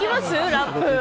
ラップ。